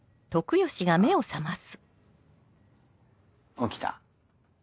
起きた？